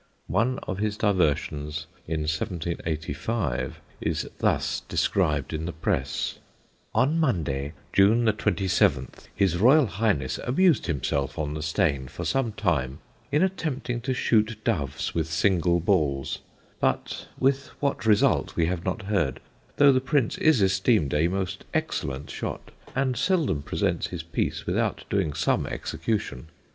One of his diversions in 1785 is thus described in the Press: "On Monday, June 27, His Royal Highness amused himself on the Steyne for some time in attempting to shoot doves with single balls; but with what result we have not heard, though the Prince is esteemed a most excellent shot, and seldom presents his piece without doing some execution.